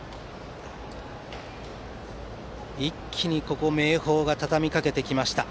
一気に明豊がたたみかけてきました。